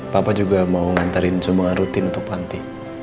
papa juga mau ngantarin semua rutin untuk panti